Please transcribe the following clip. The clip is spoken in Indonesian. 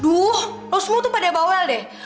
aduh lo semua tuh pada bawel deh